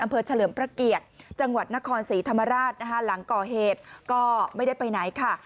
เฉลิมพระเกียรติจังหวัดนครศรีธรรมราชนะคะหลังก่อเหตุก็ไม่ได้ไปไหนค่ะ